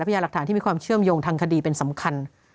พยายามหลักฐานที่มีความเชื่อมโยงทางคดีเป็นสำคัญ